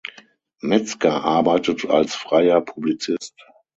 Metzger arbeitet als freier Publizist.